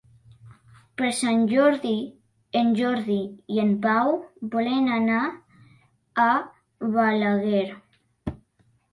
Per Sant Jordi en Jordi i en Pau volen anar a Balaguer.